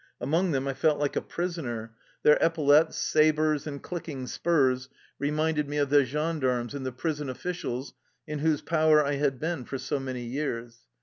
Among them I felt like a prisoner; their epaulets, sabers, and clicking spurs reminded me of the gendarmes and the prison officials in whose power I had been for so many years.